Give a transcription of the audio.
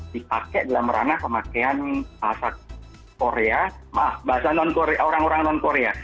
dipakai dalam ramah pemakaian bahasa korea maaf bahasa orang orang non korea